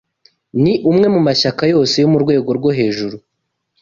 Ni umwe mu mashyaka yose yo mu rwego rwo hejuru.